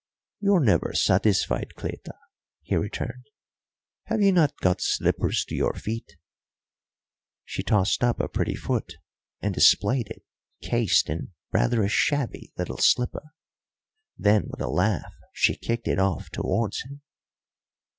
"You are never satisfied, Cleta," he returned. "Have you not got slippers to your feet?" She tossed up a pretty foot and displayed it cased in rather a shabby little slipper. Then, with a laugh, she kicked it off towards him.